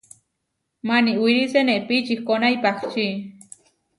Maniwíri senepí ičikóna ipahčí.